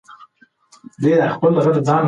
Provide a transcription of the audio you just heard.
هغه بې معجزې پاتې شوه.